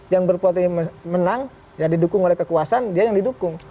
yang berpotensi menang yang didukung oleh kekuasaan dia yang didukung